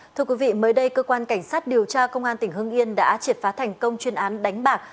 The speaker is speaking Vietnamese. thưa quý vị mới đây cơ quan cảnh sát điều tra công an tỉnh hưng yên đã triệt phá thành công chuyên án đánh bạc